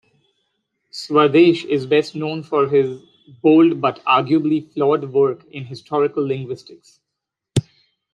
Swadesh is best known for his bold but arguably flawed work in historical linguistics.